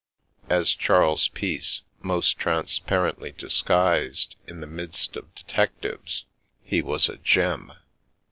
" As Charles Peace, most trans parently disguised in the midst of detectives, he was a gem.